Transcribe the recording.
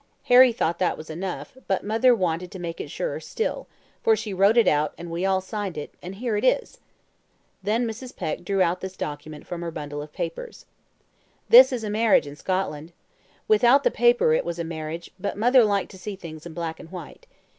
Harry thought that was enough, but mother wanted to make it surer still, for she wrote it out, and we all signed it, and here it is." Then Mrs. Peck drew out this document from her bundle of papers. "This is a marriage in Scotland. Without the paper it was a marriage, but mother liked to see things in black and white.